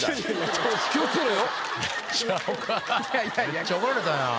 めっちゃ怒られたやん。